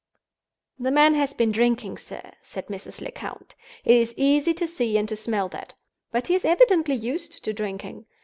"The man has been drinking, sir," said Mrs. Lecount. "It is easy to see and to smell that. But he is evidently used to drinking.